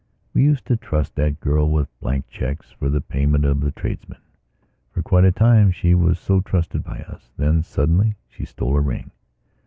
We used to trust that girl with blank cheques for the payment of the tradesmen. For quite a time she was so trusted by us. Then, suddenly, she stole a ring.